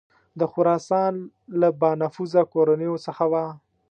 د خراسان له بانفوذه کورنیو څخه وه.